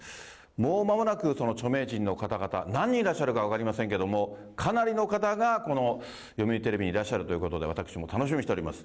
もうまもなく、その著名人の方々、何人いらっしゃるか分かりませんけども、かなりの方がこの読売テレビにいらっしゃるということで、私も楽しみにしております。